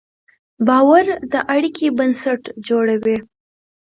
باور د اړیکې بنسټ جوړوي.